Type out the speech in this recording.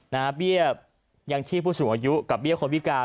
นะครับเบี้ยอย่างที่ผู้สูงอายุกับเบี้ยคนพิการ